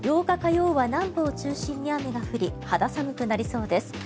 ８日火曜は南部を中心に雨が降り肌寒くなりそうです。